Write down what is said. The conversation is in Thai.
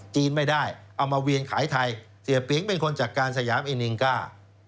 จีนไม่ได้เอามาเวียนขายไทยเสียเปี๊ยงเป็นคนจัดการสยามอินิงก้า